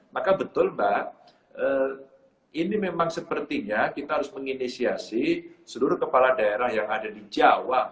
maka betul mbak ini memang sepertinya kita harus menginisiasi seluruh kepala daerah yang ada di jawa